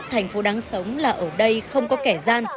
thành phố đáng sống là ở đây không có kẻ gian